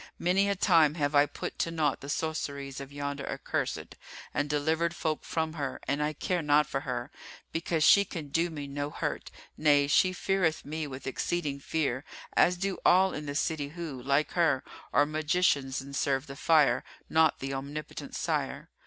Many a time have I put to naught the sorceries of yonder accursed and delivered folk from her, and I care not for her, because she can do me no hurt: nay, she feareth me with exceeding fear, as do all in the city who, like her, are magicians and serve the fire, not the Omnipotent Sire.